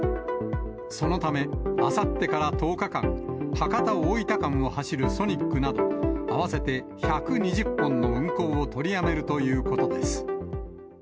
そのため、あさってから１０日間、博多・大分間を走るソニックなど、合わせて１２０本の運行を取りやめるということです。